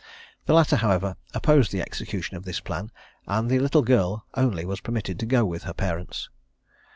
The latter, however, opposed the execution of this plan, and the little girl only was permitted to go with her parents.